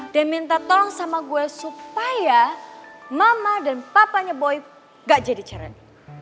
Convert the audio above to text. dan minta tolong sama gue supaya mama dan papanya boy gak jadi cerai